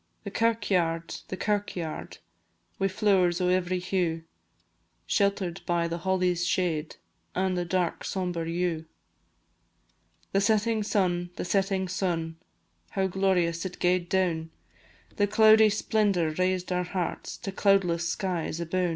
The kirkyaird, the kirkyaird, Wi' flowers o' every hue, Shelter'd by the holly's shade, An' the dark sombre yew. The setting sun, the setting sun, How glorious it gaed down; The cloudy splendour raised our hearts To cloudless skies aboon!